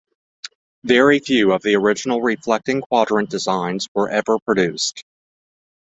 Very few of the original reflecting quadrant designs were ever produced.